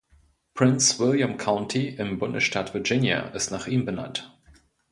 Prince William County im Bundesstaat Virginia ist nach ihm benannt.